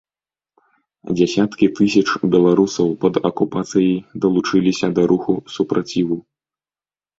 Дзясяткі тысяч беларусаў пад акупацыяй далучыліся да руху супраціву.